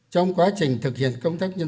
trong quá trình thực hiện công tác nhân tộc